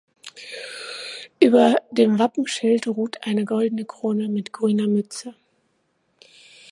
Über dem Wappenschild ruht eine goldene Krone mit grüner Mütze.